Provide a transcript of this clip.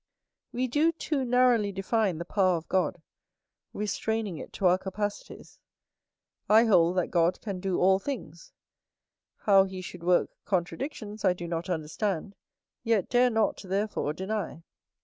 We do too narrowly define the power of God, restraining it to our capacities. I hold that God can do all things: how he should work contradictions, I do not understand, yet dare not, therefore, deny.